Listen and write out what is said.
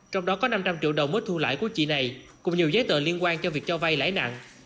trong đó có năm trăm linh triệu đồng mới thu lãi của chị này cùng nhiều giấy tờ liên quan cho việc cho vay lãi nặng